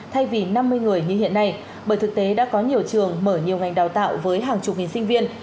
thay vì năm mươi người như hiện nay bởi thực tế đã có nhiều trường mở nhiều ngành đào tạo với hàng chục nghìn sinh viên